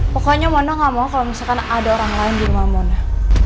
pokoknya mona gak mau kalau misalkan ada orang lain di rumah mona